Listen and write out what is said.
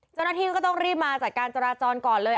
เจ้าหน้าที่ก็ต้องรีบมาจัดการจราจรก่อนเลย